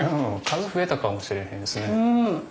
数増えたかもしれへんですね。